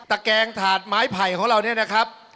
แกงถาดไม้ไผ่ของเราเนี่ยนะครับ